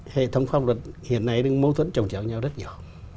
hệ thống pháp luật hiện nay đang mâu thuẫn trồng chéo nhau rất nhỏ